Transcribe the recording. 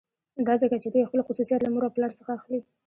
دا ځکه چې دوی خپل خصوصیات له مور او پلار څخه اخلي